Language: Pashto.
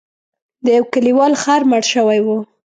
د یو کلیوال خر مړ شوی و.